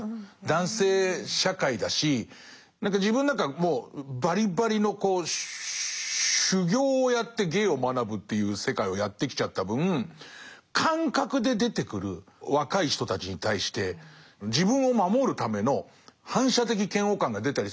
男性社会だし自分なんかもうばりばりの修業をやって芸を学ぶっていう世界をやってきちゃった分感覚で出てくる若い人たちに対して自分を守るための反射的嫌悪感が出たりする時があって。